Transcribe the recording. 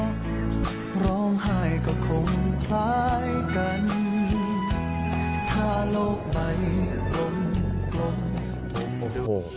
ถ้าเราไปทรมกฎ